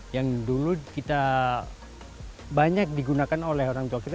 yang dulu kita banyak digunakan oleh orang tua kita